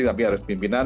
kami harus pimpinan